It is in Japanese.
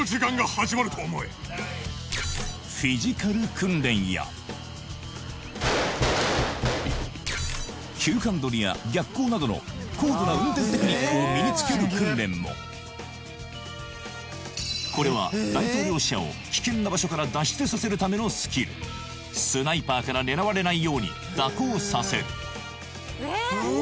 フィジカル訓練や急ハンドルや逆行などの高度な運転テクニックを身につける訓練もこれは大統領車を危険な場所から脱出させるためのスキルスナイパーから狙われないように蛇行させる